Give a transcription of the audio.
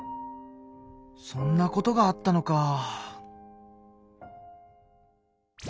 そんなことがあったのか。